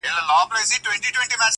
زخیرې مي کړلې ډیري شین زمری پر جنګېدمه-